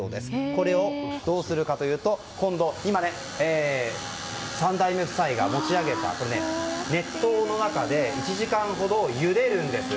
これをどうするかというと今、３代目夫妻が持ち上げた熱湯の中で１時間ほどゆでるんです。